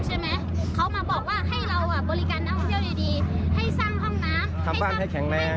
วันนี้เราทำแล้วทำไมวันนี้เขาถึงไม่พอเราไปพูดกับเขาเขาบอกเขาไม่รู้เรื่อง